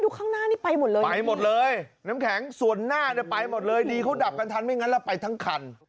ดูข้างหน้านี้ไปหมดเลยน้ำแข็งส่วนหน้าไปหมดเลยดีเขาดับกันทันไม่งั้นล่ะไปทั้งคัน